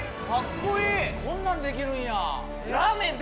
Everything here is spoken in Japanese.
こんなんできるんや。